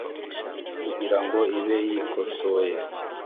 kugira ngo ibe yikosoye